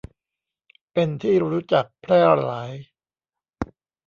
เป็นที่รู้จักแพร่หลาย